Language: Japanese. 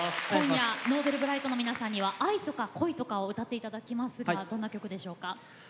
今夜、Ｎｏｖｅｌｂｒｉｇｈｔの皆さんには「愛とか恋とか」を歌っていただきますがどんな曲ですか。